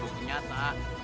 itu bu ternyata